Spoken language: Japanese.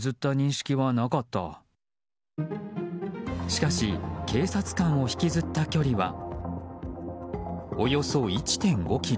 しかし警察官を引きずった距離はおよそ１．５ｋｍ。